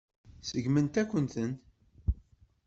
Seggment-akent-ten.